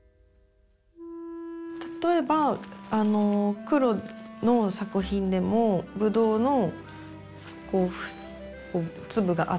例えばあの黒の作品でもブドウのこう粒があって。